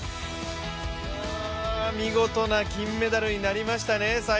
見事な金メダルになりましたね。